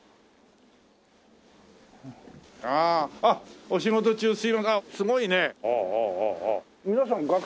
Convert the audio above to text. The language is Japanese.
あっお仕事中すいません。